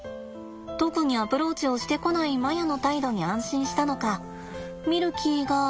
特にアプローチをしてこないマヤの態度に安心したのかミルキーが。